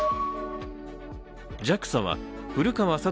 ＪＡＸＡは古川聡